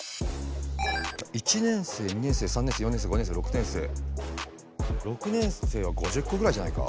１年生２年生３年生４年生５年生６年生６年生は５０こぐらいじゃないか？